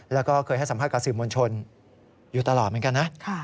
แล้วก็เคยให้สัมภาษณ์กับสื่อมวลชนอยู่ตลอดเหมือนกันนะ